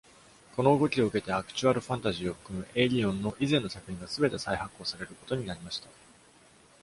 この動きを受けて、「アクチュアル・ファンタジー」を含むエイリオンの以前の作品が全て再発行されることになりました。